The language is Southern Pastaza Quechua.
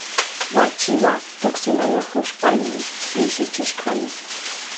Wachiwa tuksinayahushpayni pishichishkani.